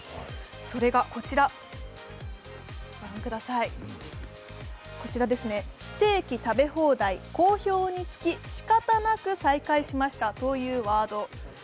それがこちらですね、ステーキ食べ放題、好評につき仕方なく再開しましたというものです。